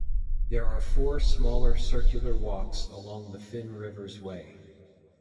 There are four smaller circular walks along the Fen Rivers way.